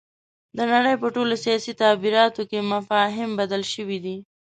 د نړۍ په ټولو سیاسي تعبیراتو کې مفاهیم بدل شوي دي.